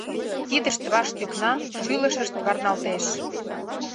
Кидышт ваш тӱкна, шӱлышышт варналтеш.